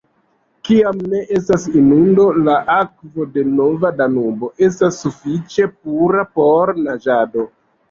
Kiam ne estas inundo, la akvo de Nova Danubo estas sufiĉe pura por naĝado.